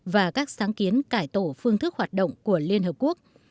và các sáng kiến cải tổ phương thức hoạt động của liên hợp quốc